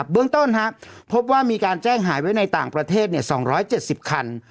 เบื้องต้นพบว่ามีการแจ้งหายไว้ในต่างประเทศ๒๗๐คัน